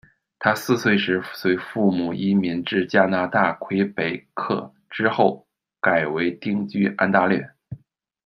她四岁时随父母移民至加拿大魁北克，之后改为定居安大略。